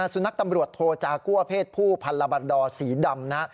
สุนัขตำรวจโทจากัวเพศผู้พันลาบันดอร์สีดำนะฮะ